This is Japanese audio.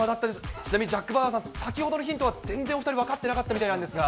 ちなみにジャック・バウアーさん、先ほどのヒントは全然お２人、分かってなかったみたいなんですが。